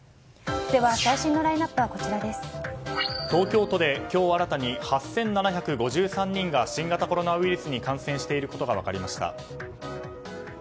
東京都で今日新たに８７５３人が新型コロナウイルスに感染していることが分かりました。